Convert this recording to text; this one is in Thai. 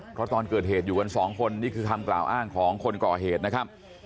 เพราะตอนเกิดเหตุอยู่กันสองคนนี่คือคำกล่าวอ้างของคนก่อเหตุนะครับ